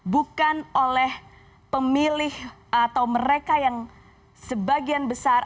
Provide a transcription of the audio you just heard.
bukan oleh pemilih atau mereka yang sebagian besar